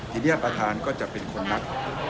ทีนี้ประธานก็จะเป็นคนนัด